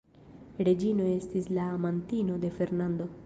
Reĝino estis la amantino de Fernando.